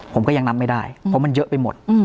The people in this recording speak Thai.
ผมก็ยังนับไม่ได้เพราะมันเยอะไปหมด